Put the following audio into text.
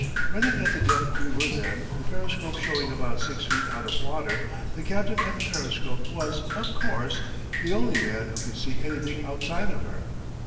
Running at the depth we were then, the periscope showing about six feet out of water, the captain at the periscope was, of course, the only man who could see anything outside of her.